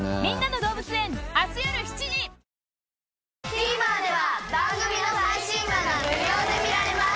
ＴＶｅｒでは番組の最新話が無料で見られます。